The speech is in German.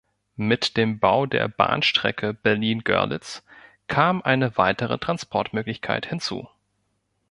Mit dem Bau der Bahnstrecke Berlin–Görlitz kam eine weitere Transportmöglichkeit hinzu.